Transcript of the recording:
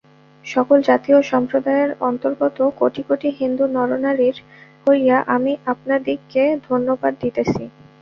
সকল জাতি ও সম্প্রদায়ের অন্তর্গত কোটি কোটি হিন্দু নরনারীর হইয়া আমি আপনাদিগকে ধন্যবাদ দিতেছি।